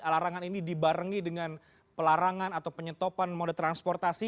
larangan ini dibarengi dengan pelarangan atau penyetopan mode transportasi